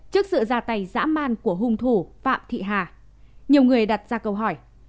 trước sự ra tay dã man của hung thủ phạm thị hà nhiều người đặt ra câu hỏi